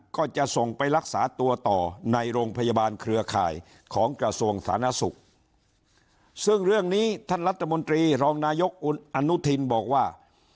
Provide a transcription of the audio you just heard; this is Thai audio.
ก็จะส่งไปรักษาตัวต่อในโรงพยาบาลเครือข่ายของกระทรวงสาธารณสุขซึ่งเรื่องนี้ท่านรัฐมนตรีรองนายกคุณอนุทินบอกว่า